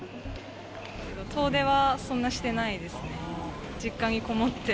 遠出はそんなしてないですね。